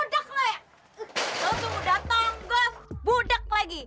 lo tunggu datang gua budek lagi